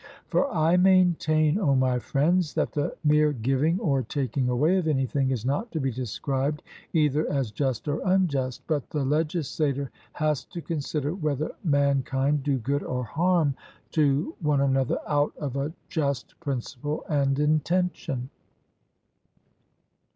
For I maintain, O my friends, that the mere giving or taking away of anything is not to be described either as just or unjust; but the legislator has to consider whether mankind do good or harm to one another out of a just principle and intention.